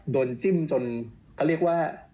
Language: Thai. จิ้มจนเขาเรียกว่า